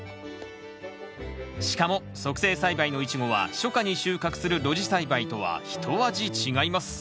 しかも促成栽培のイチゴは初夏に収穫する露地栽培とはひと味違います